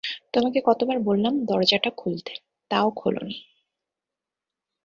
তোমাকে কতবার বললাম দরজাটা খুলতে, তাও খোলোনি!